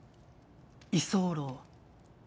居候。